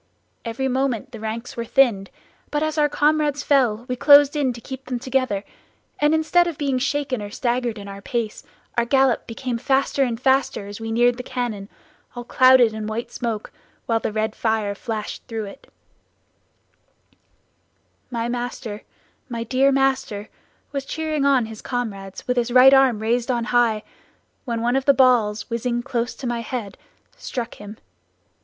Every moment the ranks were thinned, but as our comrades fell, we closed in to keep them together; and instead of being shaken or staggered in our pace our gallop became faster and faster as we neared the cannon. "My master, my dear master was cheering on his comrades with his right arm raised on high, when one of the balls whizzing close to my head struck him.